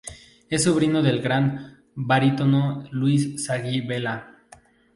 Es sobrino del gran barítono Luis Sagi Vela.